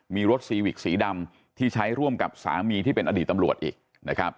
มีรถซีวิกสีดำที่ใช้ร่วมกับสามีที่เป็นอดีตตำรวจอีกนะครับ